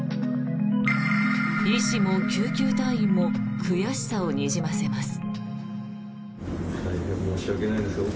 医師も救急隊員も悔しさをにじませます。